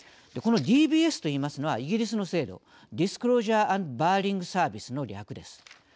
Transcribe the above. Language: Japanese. このＤＢＳというのはイギリスの制度ディスクロージャー・アンド・バーリング・サービスの略です。